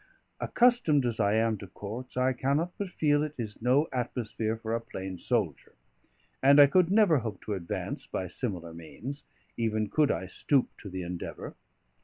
Accustomed as I am to Courts, I cannot but feel it is no atmosphere for a plain soldier; and I could never hope to advance by similar means, even could I stoop to the endeavour.